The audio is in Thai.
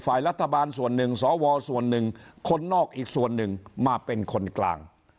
ฝ่ายรัฐบาลส่วนหนึ่งสวส่วนหนึ่งคนนอกอีกส่วนหนึ่งมาเป็นคนกลาง